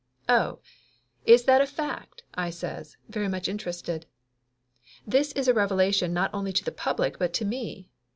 "Oh, is that a fact?" I says, very much interested. "This is a revelation not only to the public but to me.